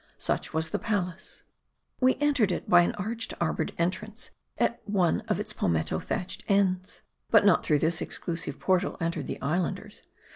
Such was the palace. We entered it by an arched, arbored entrance, at one of its palmetto thatched ends. But not through this exclusive portal entered the Islanders.